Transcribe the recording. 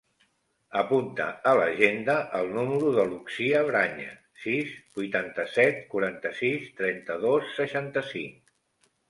Apunta a l'agenda el número de l'Uxia Braña: sis, vuitanta-set, quaranta-sis, trenta-dos, seixanta-cinc.